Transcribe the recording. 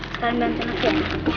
sekarang jangan sengaja ya